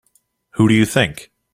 Who do you think?